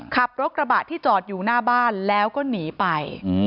ขับรถกระบะที่จอดอยู่หน้าบ้านแล้วก็หนีไป